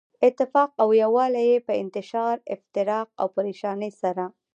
اتفاق او يو والی ئي په انتشار، افتراق او پريشانۍ سره